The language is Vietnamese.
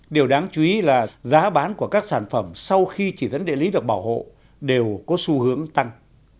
điều đáng chú ý là giá bán của các sản phẩm sau khi chỉ dẫn địa lý được bảo hộ đều có xu hướng tăng